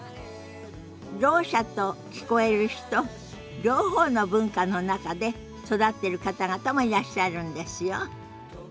ろう者と聞こえる人両方の文化の中で育ってる方々もいらっしゃるんですよ。